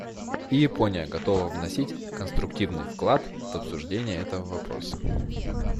И Япония готова вносить конструктивный вклад в обсуждение этого вопроса.